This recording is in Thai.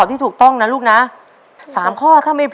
ตัวเลือกที่สี่นายชาญชัยสุนทรมัตต์